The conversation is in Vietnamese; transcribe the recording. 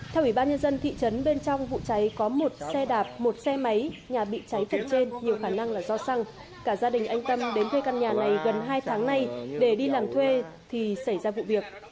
theo ủy ban nhân dân thị trấn bên trong vụ cháy có một xe đạp một xe máy nhà bị cháy phần trên nhiều khả năng là do xăng cả gia đình anh tâm đến thuê căn nhà này gần hai tháng nay để đi làm thuê thì xảy ra vụ việc